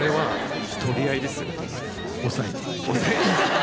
抑えて。